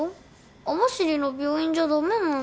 網走の病院じゃ駄目なの？